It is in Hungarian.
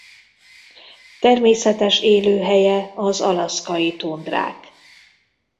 Természetes élőhelye az alaszkai tundrák.